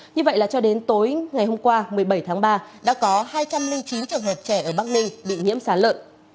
như vậy là cho đến tối ngày hôm qua một mươi bảy tháng ba đã có hai trăm linh chín trường hợp trẻ ở bắc ninh bị nhiễm sá lợn